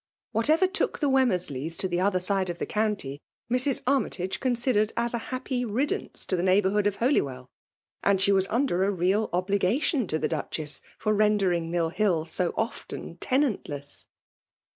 Whatever took the Wemmersleys to the other aide qf the. county, Mrs. Armytage considered as a happy riddance to the neighbourhood of Holywell ; and she was under a real obligation to the Duchess for rendering Mill Hill so often tenantless.